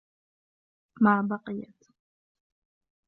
مَا بَقِيت